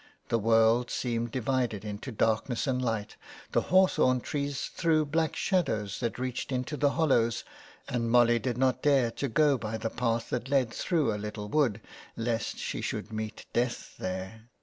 The world seemed divided into darkness and light. The hawthorn trees threw black shadows that reached into the hollows, and Molly did not dare to go by the path that led through 256 THE WEDDING GOWN. a little wood, lest she should meet Death there.